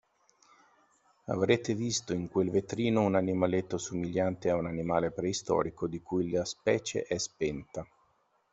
Avrete visto in quel vetrino un animaletto somigliante a un animale preistorico di cui la specie è spenta.